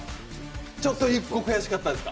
ちょっと１個悔しかったですか。